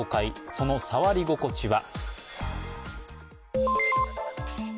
その触り心地は？